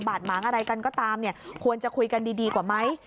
บาดหมางอะไรกันก็ตามควรจะคุยกันดีกว่าไหม